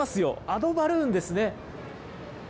アドバルーンですね。